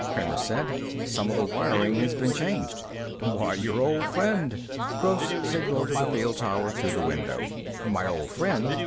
Kramer said. "Some of the wiring has been changed." "Why, your old friend." Gross signaled to the field tower through the window. "My old friend?"